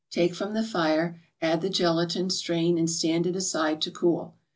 Take from the fire, add the gelatin, strain, and stand it aside to cool.